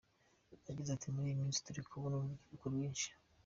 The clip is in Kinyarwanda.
Yagize ati “ Muri iyi minsi turi kubona urubyiruko rwinshi.